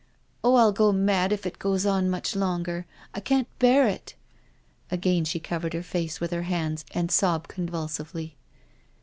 * Oh, I'll go mad if it goes on much longer. ... I can't bear it I" Again she covered her face with her. hands and sobbed convulsively.